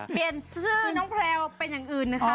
เปลี่ยนชื่อน้องแพลวเป็นอย่างอื่นนะคะ